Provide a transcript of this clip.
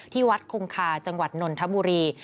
ที่วัดคงคาจังหวัดนนทบุรี